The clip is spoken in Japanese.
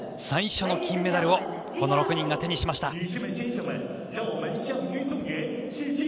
最初の金メダルをこの６人が手にしました。